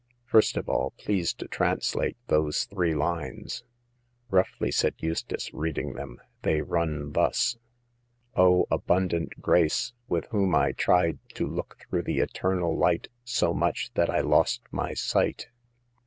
First of all, please to translate those three lines." " Roughly," said Eustace, reading them, " they run thus :* O abundant grace, with whom I tried to look through the eternal light so much that I lost my sight.'